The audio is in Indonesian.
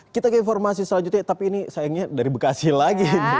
kita ke informasi selanjutnya tapi ini sayangnya dari bekasi lagi